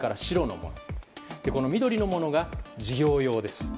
この緑のものが事業用です。